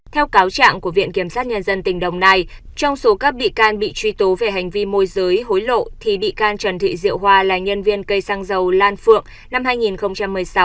theo cáo trạng của viện kiểm sát nhân dân tỉnh đồng nai trong số các bị can bị truy tố về hành vi môi giới hối lộ thì bị can trần thị diệu hoa là nhân viên cây xăng dầu lan phượng năm hai nghìn một mươi sáu